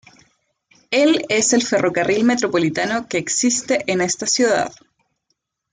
El es el ferrocarril metropolitano que existe en esta ciudad.